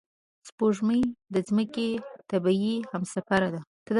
سپوږمۍ د ځمکې طبیعي همسفره ده